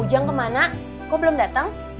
jiwa selamat pagi